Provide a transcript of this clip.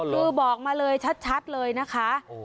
คือบอกมาเลยชัดเลยนะคะ